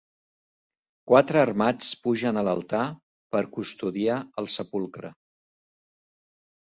Quatre armats pugen a l'Altar per custodiar el Sepulcre.